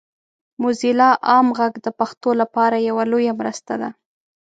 موزیلا عام غږ د پښتو لپاره یوه لویه مرسته ده.